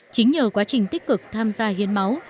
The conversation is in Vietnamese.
chính nhờ quá trình tích cực tham gia hiến máu